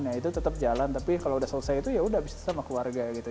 nah itu tetap jalan tapi kalau udah selesai itu ya udah bisa sama keluarga gitu